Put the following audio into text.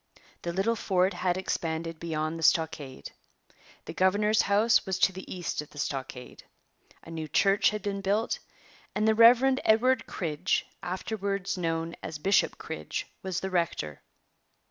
The little fort had expanded beyond the stockade. The governor's house was to the east of the stockade. A new church had been built, and the Rev. Edward Cridge, afterwards known as Bishop Cridge, was the rector.